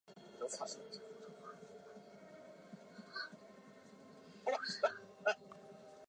清朝嘉庆帝之嫔。